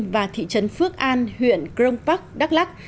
và thị trấn phước an huyện crong park đắk lắc